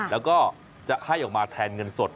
แล้วก็จะให้ออกมาแทนเงินสด